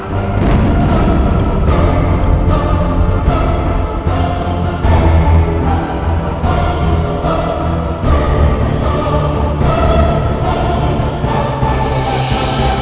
tidak ada apa apa